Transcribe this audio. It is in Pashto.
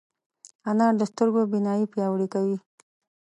انار د سترګو بینايي پیاوړې کوي.